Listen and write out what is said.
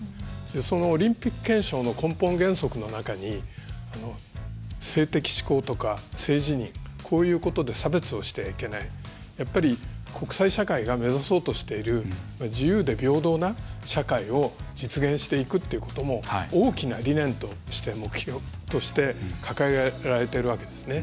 そのオリンピック憲章の根本原則の中に性的指向とか、性自認こういうことで差別をしてはいけないやっぱり国際社会が目指そうとしている自由で平等な社会を実現していくっていうことも大きな理念として目標として掲げられているわけですね。